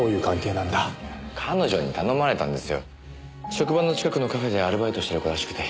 職場の近くのカフェでアルバイトしてる子らしくて。